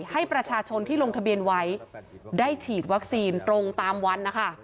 ให้ประชาชนที่ลงทะเบียนไว้ได้ฉีดวัคซีนตรงตามวันนะคะ